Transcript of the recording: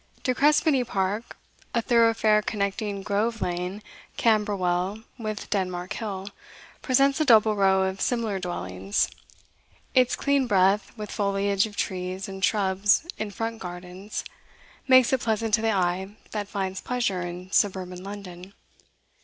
De Crespigny Park, a thoroughfare connecting Grove Lane, Camberwell, with Denmark Hill, presents a double row of similar dwellings; its clean breadth, with foliage of trees and shrubs in front gardens, makes it pleasant to the eye that finds pleasure in suburban London.